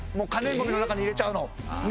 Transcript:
可燃ゴミの中に入れちゃうの。